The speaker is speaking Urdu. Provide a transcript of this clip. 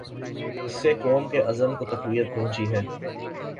اس سے قوم کے عزم کو تقویت پہنچی ہے۔